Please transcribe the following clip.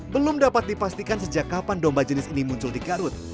belum dapat dipastikan sejak kapan domba jenis ini muncul di garut